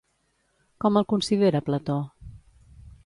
Com el considera Plató?